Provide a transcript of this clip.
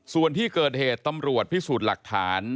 ส่วนที่เกิดเหตุตำรวจพิสูจน์หลักฐาน